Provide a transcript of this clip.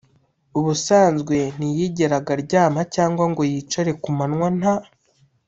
Ubusanzwe ntiyigeraga aryama cyangwa ngo yicare ku manywa nta